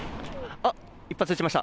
あっ、一発撃ちました。